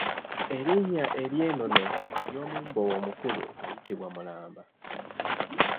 Erinnya ery’ennono ery’omumbowa omukulu ayitibwa Mulamba.